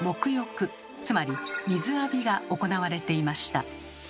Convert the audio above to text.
つまり水浴びが行われていました。